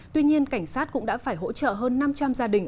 tuy nhiên cảnh sát cũng đã phải hỗ trợ hơn năm trăm linh gia đình